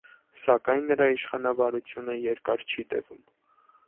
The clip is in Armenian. Սակայն նրա իշխանավարությունը երկար չի տևում։